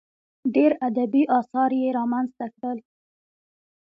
ډېر ادبي اثار یې رامنځته کړل.